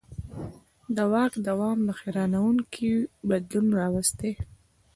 د واک دوام دا حیرانوونکی بدلون راوستی.